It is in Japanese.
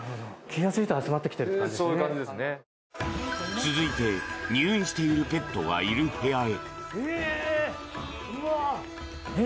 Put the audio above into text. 続いて、入院しているペットがいる部屋へ。